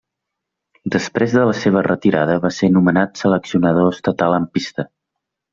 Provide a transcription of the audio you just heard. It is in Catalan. Després de la seva retirada, va ser nomenat seleccionador estatal en pista.